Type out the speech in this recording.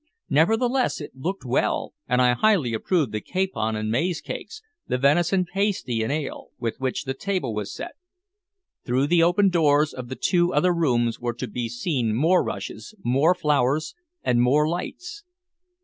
Nevertheless, it looked well, and I highly approved the capon and maize cakes, the venison pasty and ale, with which the table was set. Through the open doors of the two other rooms were to be seen more rushes, more flowers, and more lights.